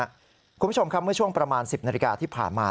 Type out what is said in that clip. คุณผู้ชมครับเมื่อช่วงประมาณ๑๐นาฬิกาที่ผ่านมา